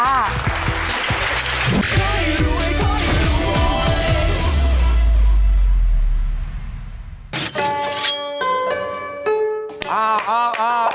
อ้าวอ้าวอ้าว